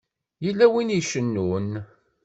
Yella win i icennun.